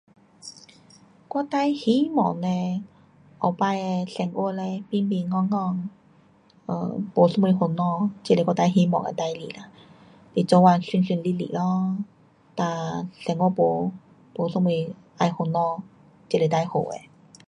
我最希望的后次的生活嘞，平平安安，呃，没什么烦恼，这是我最希望的事情啦，你做工顺顺利利咯，哒生活没，没什么要烦恼，这是最好的。